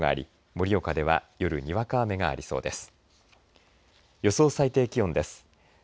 盛岡では夜、にわか雨がありそうです。